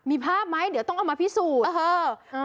มีภาพไหมเดี๋ยวต้องเอามาพิสูจน์